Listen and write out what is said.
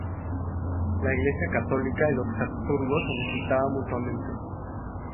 La Iglesia católica y los Habsburgos se necesitaban mutuamente.